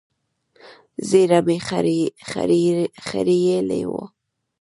ږيره يې خرييلې وه.